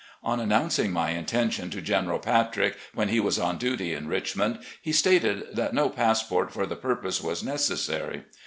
On announcing my intention to General Patrick, when he was on duty in Richmond, he stated that no passport for the purpose was necessary.